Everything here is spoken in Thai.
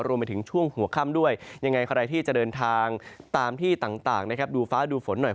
รวมไปถึงช่วงหัวค่ำด้วยยังไงใครที่จะเดินทางตามที่ต่างนะครับดูฟ้าดูฝนหน่อย